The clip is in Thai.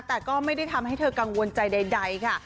แต่ก็ไม่ได้ทำให้เธอกังวลใจใดค่ะ